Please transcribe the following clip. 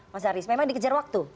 mas haris memang dikejar waktu